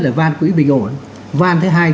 là van quỹ bình ổn van thứ hai